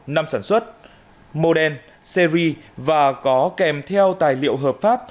năm sản xuất mô đen series và có kèm theo tài liệu hợp pháp